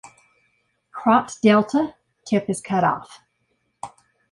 Cropped delta - tip is cut off.